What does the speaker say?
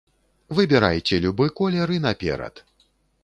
Выбірайце любы колер і наперад!